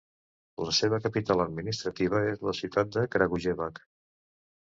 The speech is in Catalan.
La seva capital administrativa és la ciutat de Kragujevac.